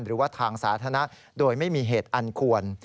หรือว่าทางสาธารณะโดยไม่มีเหตุอันควร